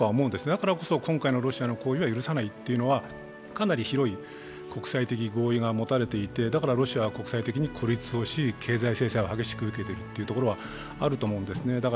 だからこそ今回のロシアの行為は許さないというのはかなり広い国際的合意が持たれていて、だからロシアは国際的に孤立し経済制裁を激しく受けていることはあると思うんですね。